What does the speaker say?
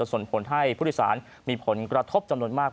ส่งผลให้ผู้โดยสารมีผลกระทบจำนวนมาก